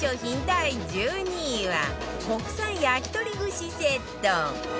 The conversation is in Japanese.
第１２位は国産焼鳥串セット